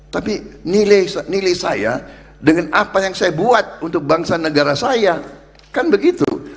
tapi nilai saya dengan apa yang saya buat untuk bangsa negara saya kan begitu